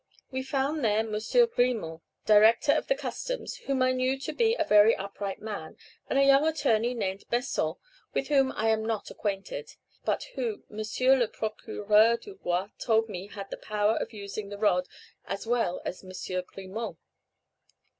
We found there M. Grimaut, director of the customs, whom I knew to be a very upright man, and a young attorney named Besson, with whom I am not acquainted, but who M. le Procureur du Roi told me had the power of using the rod as well as M. Grimaut.